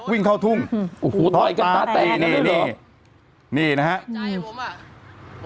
วิ่งเข้าทุ่งอูหูทอดตานี่นี่นี่นะฮะใจผมอ่ะ